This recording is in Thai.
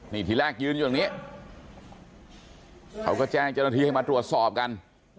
นี่ทีแรกยืนอยู่ตรงนี้เขาก็แจ้งเจ้าหน้าที่ให้มาตรวจสอบกัน